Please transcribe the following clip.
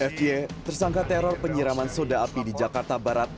fta tersangka teror penyiraman soda api di jakarta barat